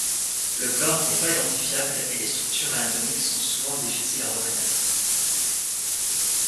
Le corps n'est pas identifiable et les structures anatomiques sont souvent difficiles à reconnaître.